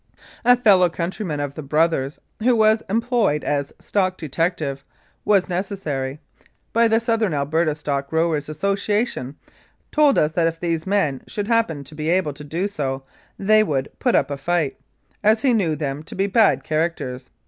A fellow countryman of the brothers, who was em ployed as stock detective, when necessary, by the Southern Alberta Stock Growers' Association, told us that if these men should happen to be able to do so, they would "put up a fight," as he knew them to be bad characters.